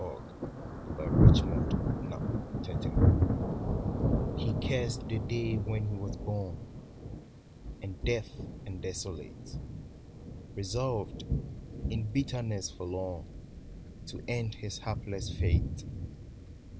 58 i BEETHOVEN T Te cursed the day when he was born And deaf and desolate, Resolved, in bitterness forlorn, To end his hapless fate.